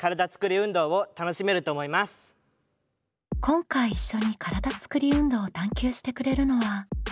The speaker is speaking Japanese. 今回一緒に体つくり運動を探究してくれるのは。